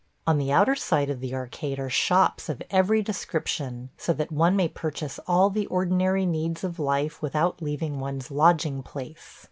On the outer side of the arcade are shops of every description, so that one may purchase all the ordinary needs of life without leaving one's lodging place.